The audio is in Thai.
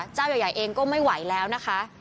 เจ้าใหญ่เองก็ไม่ไหวแล้วนะคะ